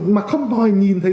mà không đòi nhìn thấy